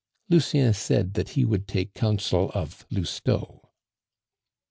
Lucien said that he would take counsel of Lousteau.